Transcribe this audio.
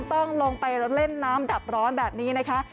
ต้องลงไปเล่นน้ำดับร้อนแบบนี้นะคะ